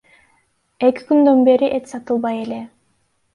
Эки күндөн бери эт сатылбай эле.